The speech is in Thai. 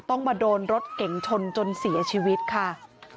ต้องมาโดนรถเก่งชนจนเสียชีวิตค่ะ